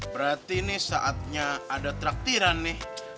berarti ini saatnya ada traktiran nih